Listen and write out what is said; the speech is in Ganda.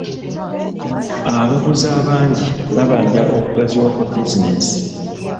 Abaguzi abangi babanja okugaziwa kwa bizinensi.